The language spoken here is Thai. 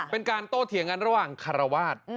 เป็นการโตเถียงกันระหว่างคารวาส